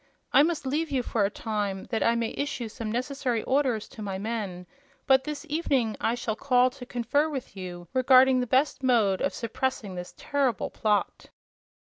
I must leave you for a time, that I may issue some necessary orders to my men; but this evening I shall call to confer with you regarding the best mode of suppressing this terrible plot."